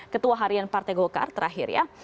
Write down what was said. ketua harian partai golkar terakhir ya